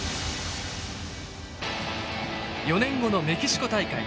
４年後のメキシコ大会。